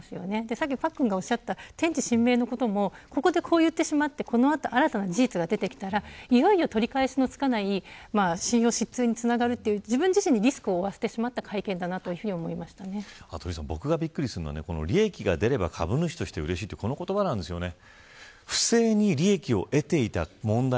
さっきパックンがおっしゃった天地神明のこともここで言ってしまってこの後新たな事実が出てきたらいよいよ取り返しのつかない信用失意に陥るという自分のリスクを負ってしまった会見だったと利益が出れば株主としてうれしいというこの言葉ですね。